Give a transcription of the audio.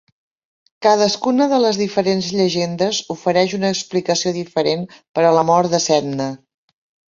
Cadascuna de les diferents llegendes ofereix una explicació diferent per a la mort de Sedna.